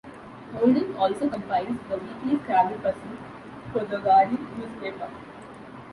Holden also compiles the weekly Scrabble puzzle for The Guardian newspaper.